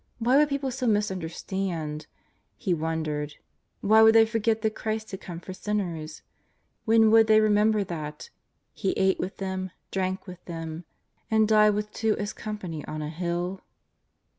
Why would people so misunderstand? he wondered. Why would they forget that Christ had come for sinners? When would they remember that: He ate with them, drank with them; And died with two as company on a Hill?